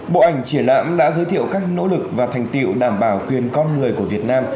bộ ảnh triển lãm đã giới thiệu các nỗ lực và thành tiệu đảm bảo quyền con người của việt nam